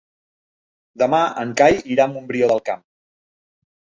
Demà en Cai irà a Montbrió del Camp.